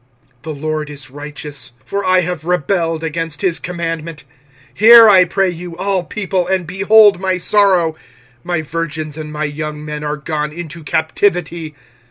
25:001:018 The LORD is righteous; for I have rebelled against his commandment: hear, I pray you, all people, and behold my sorrow: my virgins and my young men are gone into captivity.